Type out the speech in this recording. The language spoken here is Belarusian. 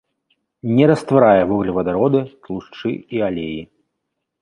Не растварае вуглевадароды, тлушчы і алеі.